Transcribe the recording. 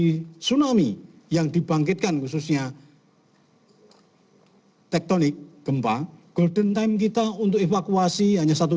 tsunami yang dibangkitkan khususnya tektonik gempa golden time kita untuk evakuasi hanya satu